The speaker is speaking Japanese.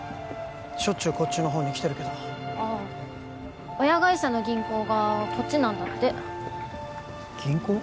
しょっちゅうこっちのほうに来てるけどああ親会社の銀行がこっちなんだって銀行？